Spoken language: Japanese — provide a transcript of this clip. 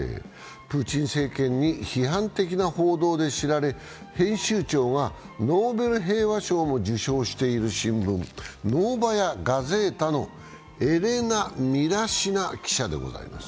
プーチン政権に批判的な報道で知られ、編集長がノーベル平和賞も受賞している新聞「ノーバヤ・ガゼータ」のエレナ・ミラシナ記者でございます。